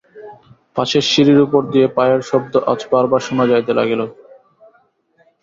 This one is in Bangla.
পাশের সিঁড়ির উপর দিয়া পায়ের শব্দ আজ বারবার শোনা যাইতে লাগিল।